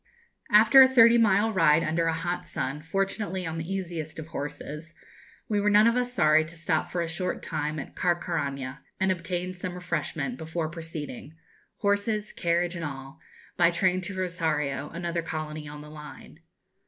After a thirty mile ride under a hot sun, fortunately on the easiest of horses, we were none of us sorry to stop for a short time at Carcaraña, and obtain some refreshment, before proceeding horses, carriage, and all by train to Rosario, another colony on the line.